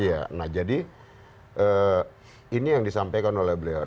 iya nah jadi ini yang disampaikan oleh beliau